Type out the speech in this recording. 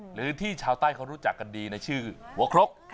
หรือที่ชาวใต้เขารู้จักกันดีในชื่อหัวครก